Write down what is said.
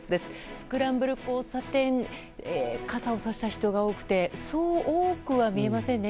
スクランブル交差点傘をさした人が多くてそう多くは見えませんね。